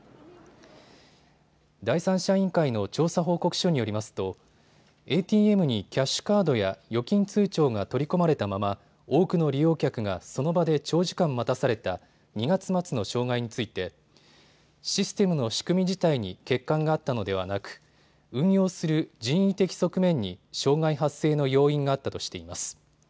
第三者委員会の調査報告書によりますとＡＴＭにキャッシュカードや預金通帳が取り込まれたまま多くの利用客がその場で長時間待たされた２月末の障害についてシステムの仕組み自体に欠陥があったのではなく運用する人為的側面に障害発生の要因があったとしています。